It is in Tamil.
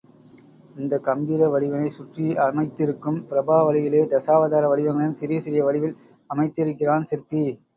இந்தக் கம்பீர வடிவினைச் சுற்றி அமைத்திருக்கும் பிரபா வழியிலே தசாவதார வடிவங்களையும் சிறிய சிறிய வடிவில் அமைத்திருக்கிறான் சிற்பி.